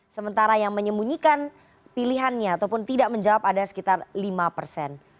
sementara yang menyembunyikan pilihannya ataupun tidak menjawab ada sekitar lima persen